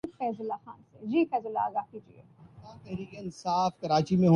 بنو امیہ کی تاریخ کے رخ کو تباہی اور زوال کی طرف موڑ دیا